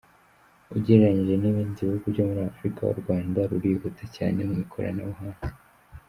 Ugereranyije n’ibindi bihugu byo muri Afurika, u Rwanda rurihuta cyane mu ikoranabuhanga.